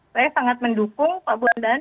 saya sangat mendukung pak bundan